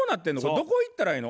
どこ行ったらええの？